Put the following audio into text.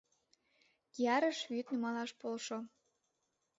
— Киярыш вӱд нумалаш полшо.